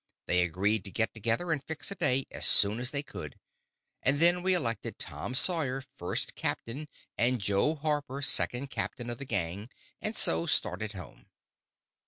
They agreed to get together and fix a day as soon as they could, and then we elected Tom Sawyer first captain and Jo Harper second captain of the Gang, and so started home.